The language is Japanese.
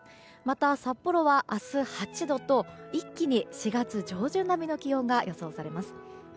また、札幌は明日８度と一気に４月上旬並みの気温が予想されます。